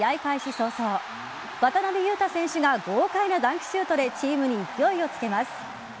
早々渡邊雄太選手が豪快なダンクシュートでチームに勢いをつけます。